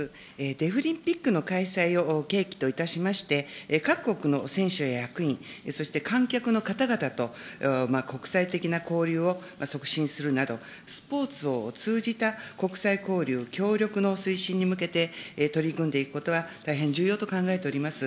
デフリンピックの開催を契機といたしまして、各国の選手や役員、そして観客の方々と国際的な交流を促進するなど、スポーツを通じた国際交流、協力の推進に向けて取り組んでいくことは、大変重要と考えております。